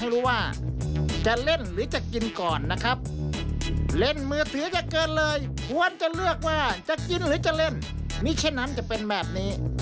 อย่าเพลินเกินเหตุแบบนี้